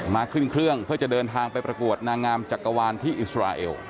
ขึ้นเครื่องเพื่อจะเดินทางไปประกวดนางงามจักรวาลที่อิสราเอล